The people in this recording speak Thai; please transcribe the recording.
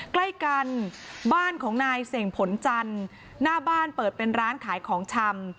ใกล้กันบ้านของนายเสงผลจันทร์หน้าบ้านเปิดเป็นร้านขายของชำ